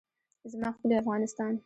زما ښکلی افغانستان.